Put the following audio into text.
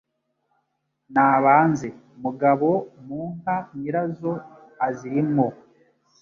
Nabanze “Mugabo-mu-nka, Nyirazo aziri mwo”.